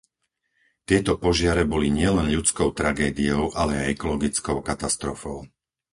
Tieto požiare boli nielen ľudskou tragédiou, ale aj ekologickou katastrofou.